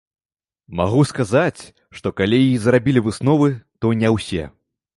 Магу сказаць, што калі і зрабілі высновы, то не ўсе.